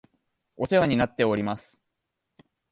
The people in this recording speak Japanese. お世話になっております